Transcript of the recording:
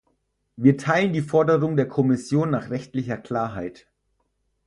Wir teilen die Forderung der Kommission nach rechtlicher Klarheit.